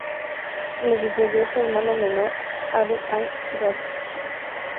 Le sucedió su hermano menor Harún al-Rashid.